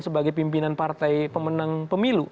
sebagai pimpinan partai pemenang pemilu